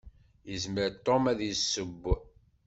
Yezmer Tom ad iseww.